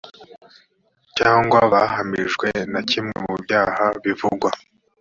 cyangwa bahamijwe na kimwe mu byaha bivugwa